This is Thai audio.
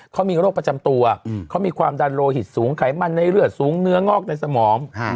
เขามีโรคประจำตัวเขามีความดันโลหิตสูงไขมันในเลือดสูงเนื้องอกในสมอง